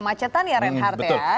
macetan ya red heart ya